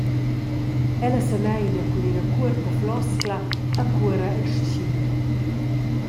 Ella semeina cun ina cuorta floscla e cuora el stgir.